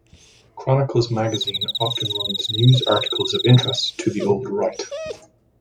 "Chronicles Magazine" often runs news articles of interest to the old right.